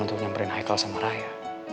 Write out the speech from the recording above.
untuk nyamperin hightle sama raya